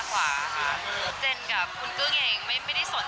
ถ้าเป็นแฟนก็ไม่ปฏิเสธ